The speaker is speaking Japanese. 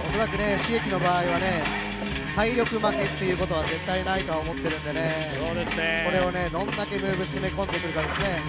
Ｓｈｉｇｅｋｉｘの場合は体力負けということはないと思うのでこれをどんだけムーブ詰め込んでくるかですね。